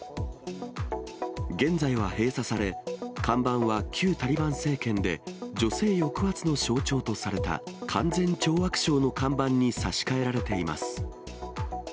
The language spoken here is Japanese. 現在は閉鎖され、看板は旧タリバン政権で女性抑圧の象徴とされた勧善懲悪省の看板に差し替えられています。